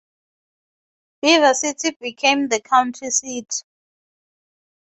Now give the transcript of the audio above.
Beaver City became the county seat.